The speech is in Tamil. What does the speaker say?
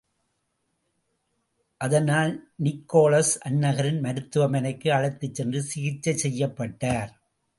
அதனால், நிக்கோலஸ் அந்நகரின் மருத்துவமனைக்கு அழைத்துச் சென்று சிகிச்சை செய்யப்பட்டார்.